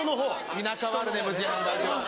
田舎はあるね無人販売所。